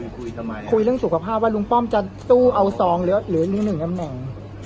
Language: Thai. คุยทำไมคุยเรื่องสุขภาพว่าลุงป้อมจะสู้เอาซองหรือมีหนึ่งตำแหน่ง